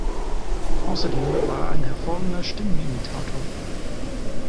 Außerdem war er ein hervorragender Stimmenimitator.